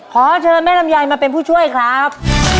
ขอเชิญแม่ลำไยมาเป็นผู้ช่วยครับ